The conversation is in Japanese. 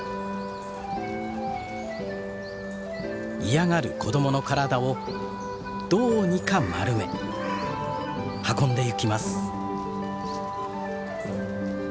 嫌がる子供の体をどうにか丸め運んでゆきます。